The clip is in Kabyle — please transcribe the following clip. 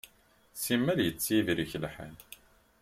Simmal yettibrik lḥal.